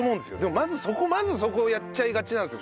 まずそこをやっちゃいがちなんですよ